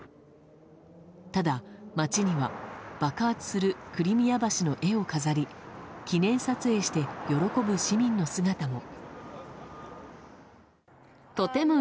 ただ、街には爆発するクリミア橋の絵を飾り記念撮影して喜ぶ市民の姿も。